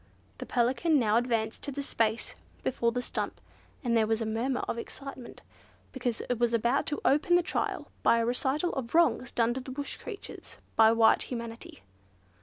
The Pelican now advanced to the space before the stump, and there was a murmur of excitement, because it was about to open the trial by a recital of wrongs done to the Bush creatures by white humanity.